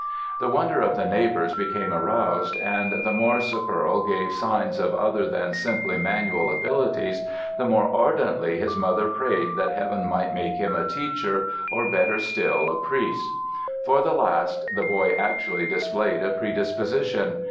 The wonder of the neighbors became aroused, and the more "Sepperl" gave signs of other than simply manual abilities the more ardently his mother prayed that heaven might make him a teacher or, better still, a priest. For the last, the boy actually displayed a predisposition.